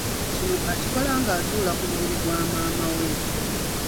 Kino akikola ng’atuula ku mubiri gwa maama we.